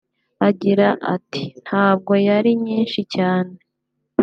Agira ati “Ntabwo yari nyinshi cyane